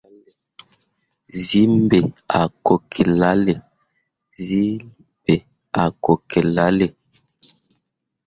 Gǝǝzyii ɓe a kone ki lalle.